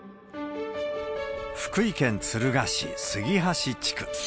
福井県敦賀市杉箸地区。